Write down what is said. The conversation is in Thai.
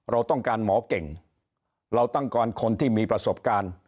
เราต้องการหมอเก่งเราต้องการคนที่มีประสบการณ์